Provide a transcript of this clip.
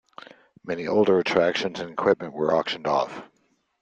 Many older attractions and equipment were auctioned off.